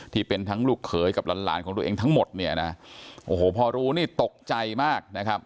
ที่เป็นทั้งลูกเขยกับหลานหลานของตัวเองทั้งหมดเนี่ยนะโอ้โหพอรู้นี่ตกใจมากนะครับ